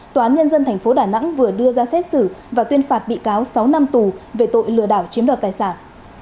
tòa án nhân dân tp đà nẵng vừa đưa ra xét xử và tuyên phạt bị cáo sáu năm tù về tội lừa đảo chiếm đoạt tài sản